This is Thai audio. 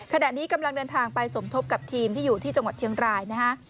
ขณะนี้กำลังเดินทางไปสมทบกับทีมที่อยู่ที่จังหวัดเชียงรายนะฮะ